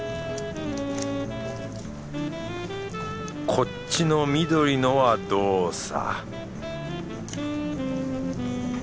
こっちの緑のはドーサ